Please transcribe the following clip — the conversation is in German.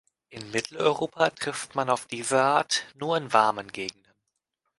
In Mitteleuropa trifft man auf diese Art nur in warmen Gegenden.